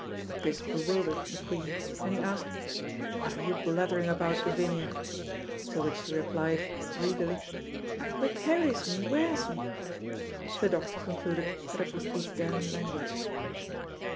This bewildered McQueen, and he asked, "What are you blethering about, Gavinia?" to which she replied, regally, "Wha carries me, wears me!" The doctor concluded that it must be Den language.